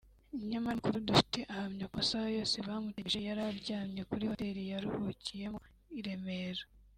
nyamara amakuru dufite ahamya ko amasaha yose bamutegereje yari aryamye kuri Hotel yaruhukiyemo i Remera